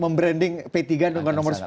membranding p tiga dengan nomor sepuluh